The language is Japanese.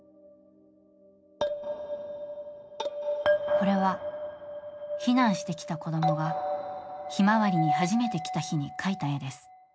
これは避難してきた子供が「ひまわり」に初めて来た日に描いた絵です。